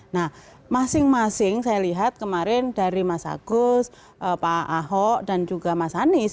nah masing masing saya lihat kemarin dari mas agus pak ahok dan juga mas anies